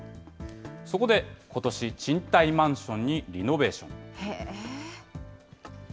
そこで、ことし、賃貸マンションにリノベーション。